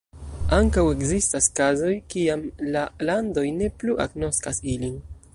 Ankaŭ ekzistas kazoj kiam la landoj ne plu agnoskas ilin.